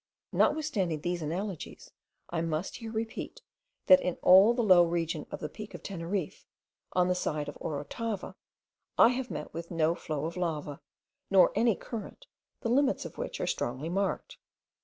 Notwithstanding these analogies, I must here repeat, that in all the low region of the peak of Teneriffe, on the side of Orotava, I have met with no flow of lava, nor any current, the limits of which are strongly marked.